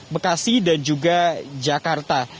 bekasi dan juga jakarta